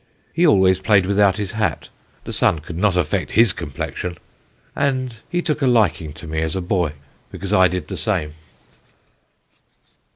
He always played without his hat (the sun could not affect his complexion), and he took a liking to me as a boy, because I did the same."